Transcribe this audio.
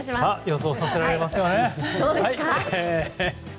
予想させられますよね。